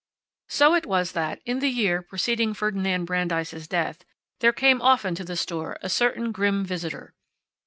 So it was that, in the year preceding Ferdinand Brandeis' death, there came often to the store a certain grim visitor.